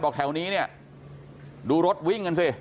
แถวนี้เนี่ยดูรถวิ่งกันสิ